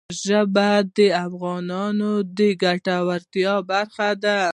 ژبې د افغانانو د ګټورتیا برخه ده.